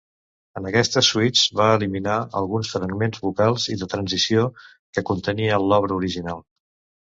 En aquestes suites va eliminar alguns fragments vocals i de transició que contenia l'obra original.